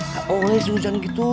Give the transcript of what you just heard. gak boleh sih hujan gitu